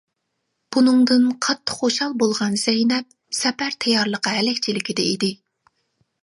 بۇنىڭدىن قاتتىق خۇشال بولغان زەينەپ سەپەر تەييارلىقى ھەلەكچىلىكىدە ئىدى.